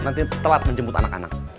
nanti telat menjemput anak anak